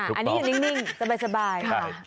อันนี้ยังนิ่งสบาย